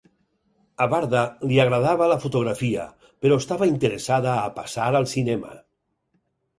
A Varda li agradava la fotografia, però estava interessada a passar al cinema.